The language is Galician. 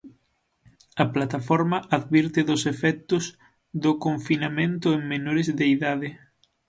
A plataforma advirte dos efectos do confinamento en menores de idade.